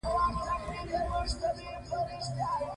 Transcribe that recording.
دوی په فارسي ښه پاخه اشعار لیکلي دي.